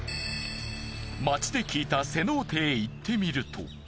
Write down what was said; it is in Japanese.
街で聞いたセノーテへ行ってみると。